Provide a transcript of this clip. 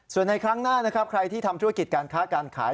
ส่วนในครั้งหน้านะครับใครที่ทำธุรกิจการค้าการขาย